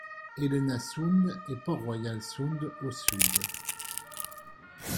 Helena Sound et Port Royal Sound au sud.